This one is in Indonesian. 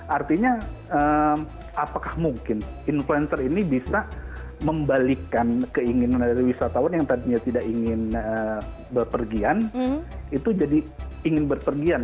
artinya apakah mungkin influencer ini bisa membalikkan keinginan dari wisatawan yang tadinya tidak ingin berpergian itu jadi ingin berpergian